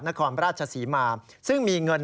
นครราชศรีมาซึ่งมีเงิน